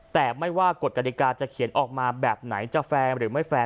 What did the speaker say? แต่ไม่ว่ากฎกฎิกาจะเขียนออกมาแบบไหนจะแฟร์หรือไม่แฟร์